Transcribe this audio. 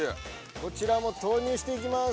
こちらも投入していきます。